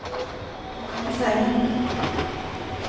お内儀さんいなくなったのに。